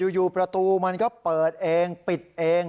อยู่ประตูมันก็เปิดเองปิดเอง